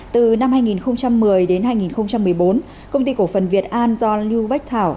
từ năm hai nghìn một mươi đến hai nghìn một mươi bốn công ty cổ phần việt an do lưu bách thảo